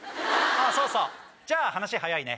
そうそう！じゃあ話早いね！